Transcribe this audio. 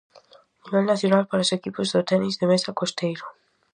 Nivel nacional para os equipos do tenis de mesa costeiro.